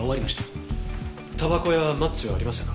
タバコやマッチはありましたか？